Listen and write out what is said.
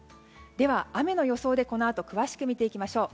では、雨の予想でこのあと詳しく見ていきましょう。